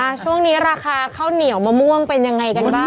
ช่วงนี้ราคาข้าวเหนียวมะม่วงเป็นยังไงกันบ้าง